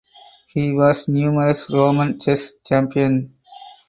He was numerous Roman chess champion.